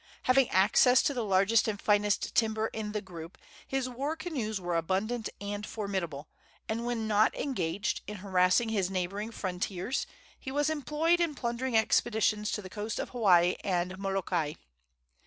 Having access to the largest and finest timber in the group, his war canoes were abundant and formidable, and when not engaged in harassing his neighboring frontiers he was employed in plundering expeditions to the coasts of Hawaii and Molokai.